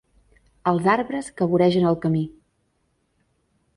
Els arbres que voregen el camí.